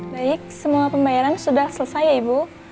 baik semua pembayaran sudah selesai ya ibu